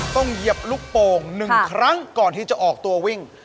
เหยียบลูกโป่ง๑ครั้งก่อนที่จะออกตัววิ่ง